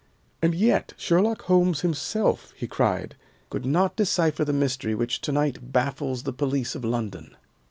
"And yet Sherlock Holmes himself," he cried, "could not decipher the mystery which to night baffles the police of London."